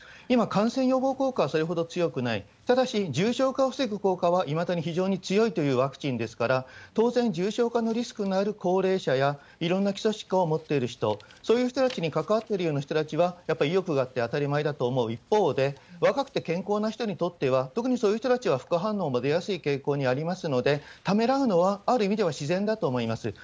今、感染予防効果はそれほど強くない、ただし、重症化を防ぐ効果はいまだに非常に強いというワクチンですから、当然、重症化のリスクのある高齢者やいろんな基礎疾患を持っている人、そういう人たちに関わってるような人たちは、やっぱり意欲があって当たり前だと思う一方で、若くて健康な人にとっては、特にそういう人たちは副反応も出やすい傾向にありますので、ためらうのは、ある意味では自然だと思います。